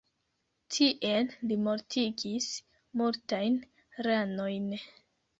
Tiel li mortigis multajn ranojn.